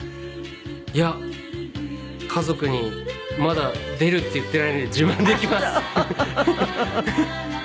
いや家族にまだ出るって言ってないので自慢できます。